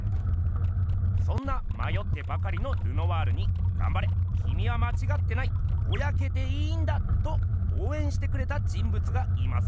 そんなまよってばかりのルノワールに「がんばれきみはまちがってないボヤけていいんだ」とおうえんしてくれた人物がいます。